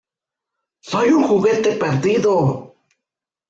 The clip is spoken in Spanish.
¡ Soy un juguete perdido!